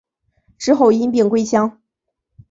之后因病归乡。